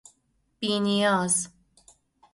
بی نیاز